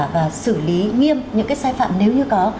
và xử lý nghiêm những cái sai phạm nếu như có